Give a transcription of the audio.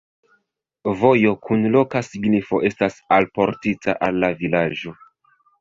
Vojo kun loka signifo estas alportita al la vilaĝo.